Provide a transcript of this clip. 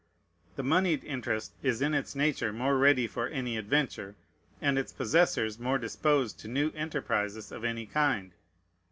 The moneyed interest is in its nature more ready for any adventure, and its possessors more disposed to new enterprises of any kind.